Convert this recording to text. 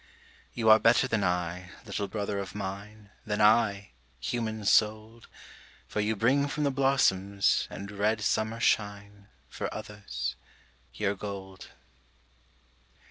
You are better than I, little brother of mine, Than I, human souled, For you bring from the blossoms and red summer shine, For others, your gold.